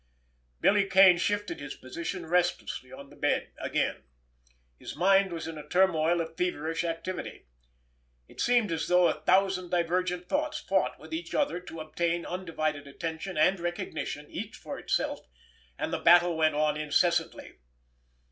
Billy Kane shifted his position restlessly on the bed again. His mind was in a turmoil of feverish activity. It seemed as though a thousand divergent thoughts fought with each other to obtain undivided attention and recognition each for itself, and the battle went on incessantly.